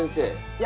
いや。